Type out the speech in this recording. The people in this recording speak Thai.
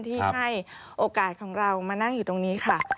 ที่ให้โอกาสของเรามานั่งอยู่ตรงนี้ค่ะ